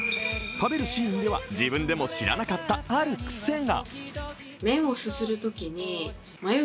食べるシーンでは自分でも知らなかったある癖が。